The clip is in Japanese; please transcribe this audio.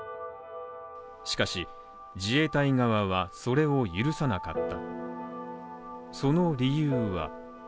しかし、自衛隊側はそれを許さなかった。